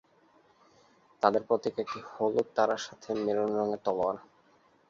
তাদের প্রতীক একট হলুদ তারার সাথে মেরুন রঙের তলোয়ার।